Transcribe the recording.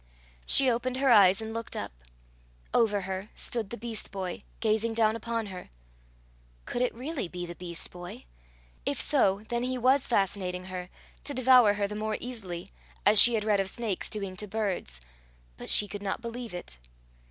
She opened her eyes and looked up. Over her stood the beast boy, gazing down upon her! Could it really be the beast boy? If so, then he was fascinating her, to devour her the more easily, as she had read of snakes doing to birds; but she could not believe it.